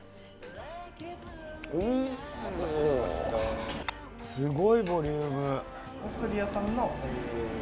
うわすごいボリューム。